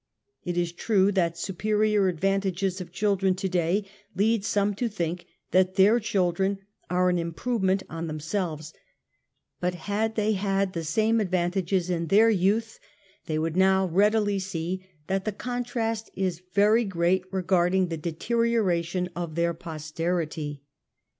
It is true that sup erior advantages of children to day leads some to think that their children are an improvement on themselves, but had they had the same advantages in their youth, they would now readily see that the contrast is very great regarding the deterioration of their posterity.